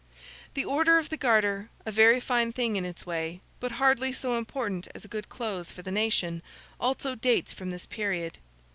The Order of the Garter (a very fine thing in its way, but hardly so important as good clothes for the nation) also dates from this period.